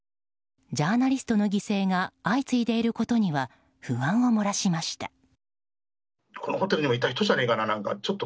ジャーナリストの犠牲が相次いでいることには不安を漏らしました。